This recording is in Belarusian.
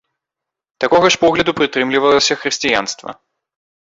Такога ж погляду прытрымлівалася хрысціянства.